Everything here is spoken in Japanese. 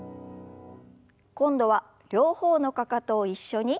今度は両方のかかとを一緒に。